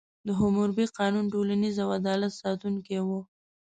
د حموربي قانون ټولنیز او عدالت ساتونکی و.